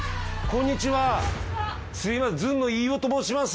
こんにちは。